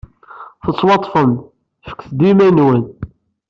Tettwaḍḍfem. Fket-d iman-nwen!